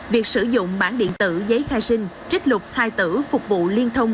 việc sử dụng bản điện tử giấy khai sinh trích lục thai tử phục vụ liên thông